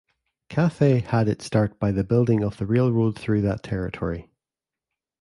Cathay had its start by the building of the railroad through that territory.